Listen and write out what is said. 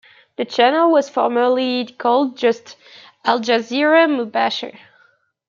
The channel was formerly called just Al Jazeera Mubasher.